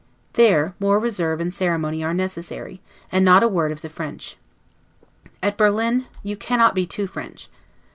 There, more reserve and ceremony are necessary; and not a word of the French. At Berlin, you cannot be too French.